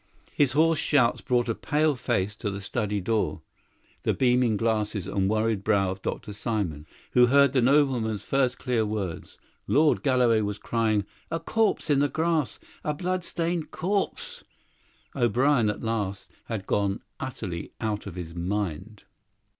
His hoarse shouts brought a pale face to the study door, the beaming glasses and worried brow of Dr. Simon, who heard the nobleman's first clear words. Lord Galloway was crying: "A corpse in the grass a blood stained corpse." O'Brien at last had gone utterly out of his mind.